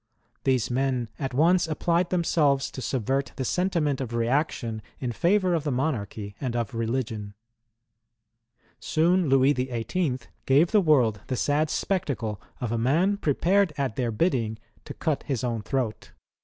These men at once applied themselves to subvert the sentiment of reaction in flivour of the monarchy and of religion. Soon, Louis XVIIL gave the world the sad spectacle of a man prepared at their bidding to cut his own throat.